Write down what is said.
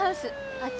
あっち？